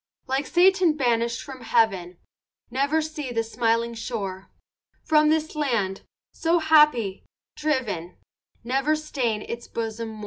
Like Satan banishèd from heaven, Never see the smiling shore; From this land, so happy, driven, Never stain its bosom more.